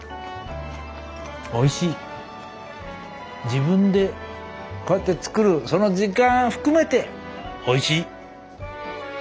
自分でこうやって作るその時間含めておいしい。